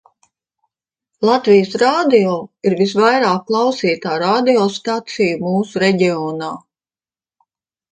Latvijas Radio ir visvairāk klausītā radio stacija mūsu reģionā.